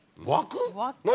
何？